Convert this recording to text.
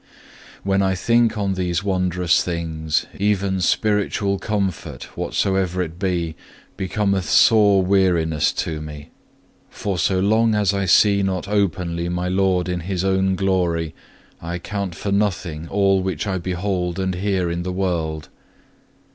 3. When I think on these wondrous things, even spiritual comfort whatsoever it be becometh sore weariness to me; for so long as I see not openly my Lord in His own Glory, I count for nothing all which I behold and hear in the world.